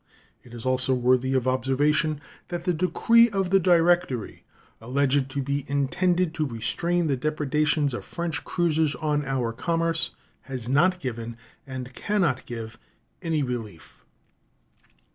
It is also worthy of observation that the decree of the Directory alleged to be intended to restrain the depredations of French cruisers on our commerce has not given, and can not give, any relief.